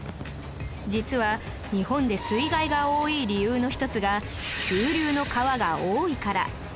実は日本で水害が多い理由の１つが急流の川が多いから